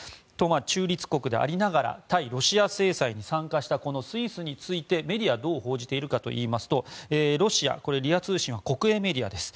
中立国でありながら対ロシア制裁に参加したスイスについてメディアどう報じているかといいますとロシア、リア通信は国営メディアです。